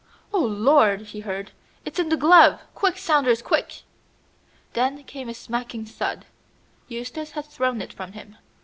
"Oh, Lord," he heard, "it's in the glove! Quick, Saunders, quick!" Then came a smacking thud. Eustace had thrown it from him.